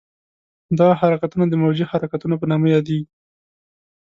دغه حرکتونه د موجي حرکتونو په نامه یادېږي.